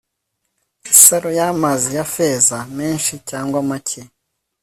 Isaro yamazi ya feza menshi cyangwa make